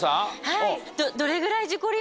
はい。